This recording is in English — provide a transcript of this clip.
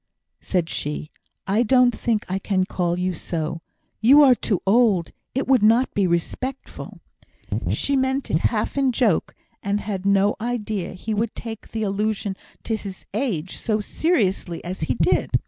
said she, "I don't think I can call you so. You are too old. It would not be respectful." She meant it half in joke, and had no idea he would take the allusion to his age so seriously as he did.